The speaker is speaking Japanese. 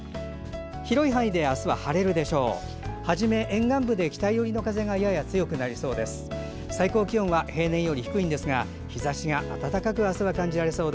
広い範囲で明日は晴れるでしょう。